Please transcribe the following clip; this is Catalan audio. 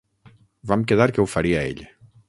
Vam quedar que ho faria ell.